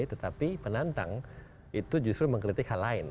tetapi penantang itu justru mengkritik hal lain